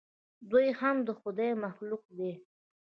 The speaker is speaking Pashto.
دوى هم د خداى مخلوق دي.